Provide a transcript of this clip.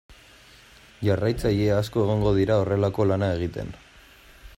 Jarraitzaile asko egongo dira horrelako lana egiten.